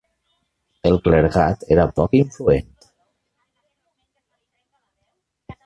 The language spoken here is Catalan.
El clergat era poc influent.